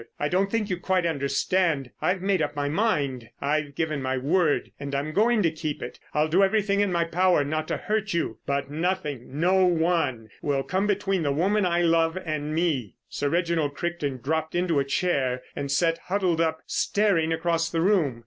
I don't think you quite understand. I've made up my mind. I've given my word and I'm going to keep it. I'll do everything in my power not to hurt you. But nothing, no one, will come between the woman I love and me." Sir Reginald Crichton dropped into a chair and sat huddled up, staring across the room.